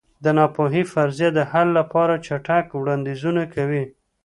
د ناپوهۍ فرضیه د حل لپاره چټک وړاندیزونه کوي.